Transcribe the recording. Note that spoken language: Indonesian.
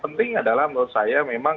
penting adalah menurut saya memang